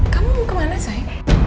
kamu mau kemana say